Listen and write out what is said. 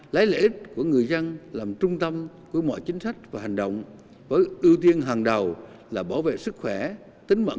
lấy lợi ích của người dân làm trung tâm của mọi chính sách và hành động với ưu tiên hàng đầu là bảo vệ sức khỏe tính mạng